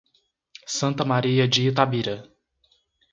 Santa Maria de Itabira